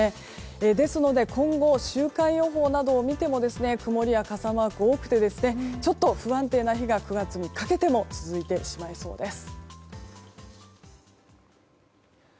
ですので今後、週間予報などを見ても曇りや傘マークが多くてちょっと不安定な日が９月にかけても続いてしまいそうです。